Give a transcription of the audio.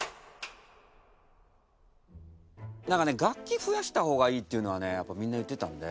何かね楽器増やした方がいいっていうのはねやっぱみんな言ってたんで。